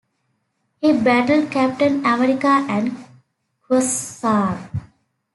He battled Captain America and Quasar.